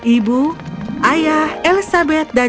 ibu ayah elizabeth dan